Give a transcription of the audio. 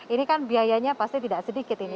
ini kan biayanya pasti tidak sedikit ini